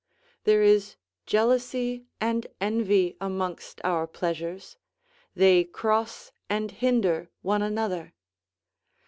There is jealousy and envy amongst our pleasures; they cross and hinder one another.